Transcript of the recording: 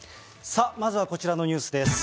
さあ、まずはこちらのニュースです。